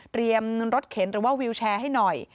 รถเข็นหรือว่าวิวแชร์ให้หน่อย